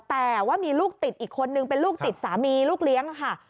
แต่ว่ามีลูกติดอีกคนนึงเป็นลูกติดสามีลูกเลี้ยงค่ะ